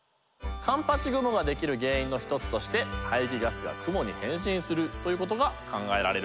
環八雲ができる原因の一つとして排気ガスが雲に変身するということが考えられるんです。